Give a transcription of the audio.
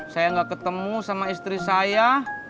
saya nggak ketemu sama istri saya